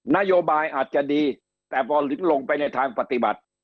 นโยบายอาจจะดีแต่พอถึงลงไปในทางปฏิบัติ